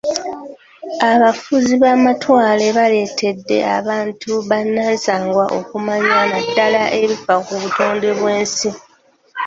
Abafuzi b'amatwale baleetedde abantu bannansangwa okumanya naddala ebifa ku butonde bw'ensi.